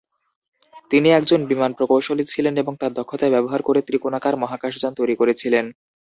তিনি একজন বিমান প্রকৌশলী ছিলেন এবং তার দক্ষতা ব্যবহার করে ত্রিকোণাকার মহাকাশযান তৈরি করেছিলেন।